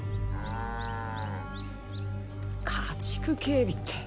家畜警備って。